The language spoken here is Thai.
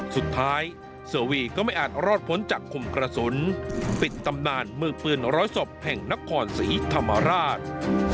สุดท้ายเสือวีก็ไม่อาจรอดพ้นจากข่มกระสุนปิดตำนานมือปืนร้อยศพแห่งนครศรีธรรมราช